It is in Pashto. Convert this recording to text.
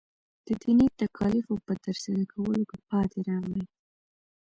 د دیني تکالیفو په ترسره کولو کې پاتې راغلی.